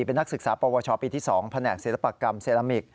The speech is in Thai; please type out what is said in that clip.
เป็นนักศึกษาปวชปีที่๒แผนกศิลปกรรมเซรามิก